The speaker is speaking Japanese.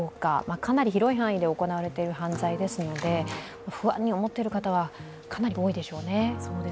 かなり広い範囲で行われている犯罪ですので、不安に思っている方はかなり多いでしょうね。